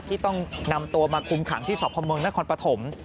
ที่ต้องนำตัวมาคุมขังที่สพเมืองนครปฐม